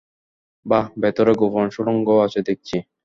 বাহ, ভেতরে গোপন সুড়ঙ্গও আছে দেখছি!